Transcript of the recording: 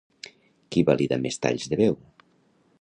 Qui valida més talls de veu?